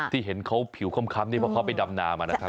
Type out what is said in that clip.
เห็นเขาผิวค้ำนี่เพราะเขาไปดำนามานะครับ